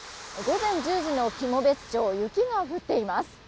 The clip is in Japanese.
午前１０時の喜茂別町雪が降っています。